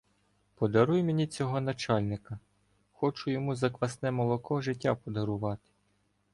— Подаруй мені цього начальника, хочу йому за квасне молоко життя подарувати.